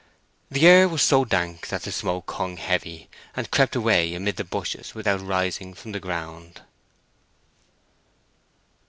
The air was so dank that the smoke hung heavy, and crept away amid the bushes without rising from the ground.